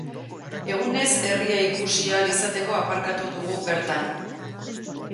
Egunez herria ikusi ahal izateko aparkatu dugu bertan.